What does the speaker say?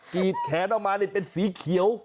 กีดแขนออกมาเป็นสีเขียว